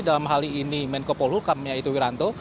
dalam hal ini menkopol hukam yaitu wiranto